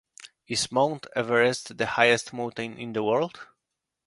Is Mount Everest the highest mountain in the world?